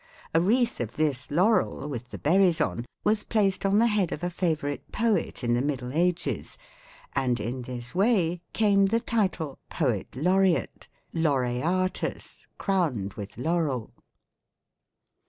A wreath of this laurel, with the berries on, was placed on the head of a favorite poet in the Middle Ages, and in this way came the title 'poet laureate' laureatus,' crowned with laurel.'